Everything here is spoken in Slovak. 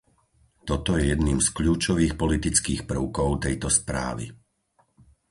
Toto je jedným z kľúčových politických prvkov tejto správy.